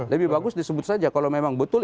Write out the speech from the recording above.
lebih bagus disebut saja kalau memang betul